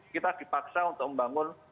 kita dipaksa untuk membangun